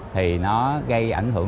thì nó gây ảnh hưởng